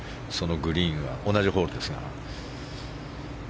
グリーン、同じホールですが。